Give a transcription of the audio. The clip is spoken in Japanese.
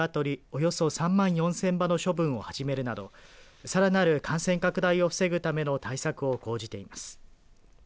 およそ３万４０００羽の処分を始めるなどさらなる感染拡大を防ぐための対策を講じています。